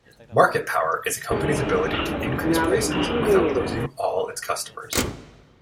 Market power is a company’s ability to increase prices without losing all its customers.